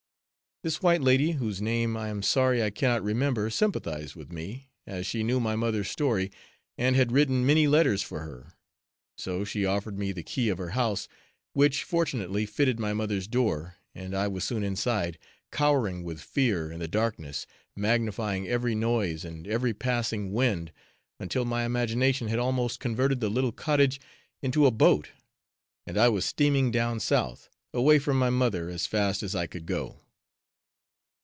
This white lady, whose name I am sorry I cannot remember, sympathized with me, as she knew my mother's story and had written many letters for her, so she offered me the key of her house, which, fortunately, fitted my mother's door, and I was soon inside, cowering with fear in the darkness, magnifying every noise and every passing wind, until my imagination had almost converted the little cottage into a boat, and I was steaming down South, away from my mother, as fast as I could go.